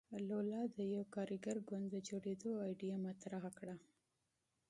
لولا د یوه کارګر ګوند د جوړېدو ایډیا مطرح کړه.